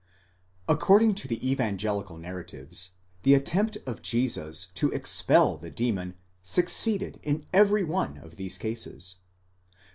According to the evangelical narratives, the attempt of Jesus to expel the demon succeeded in every one of these cases.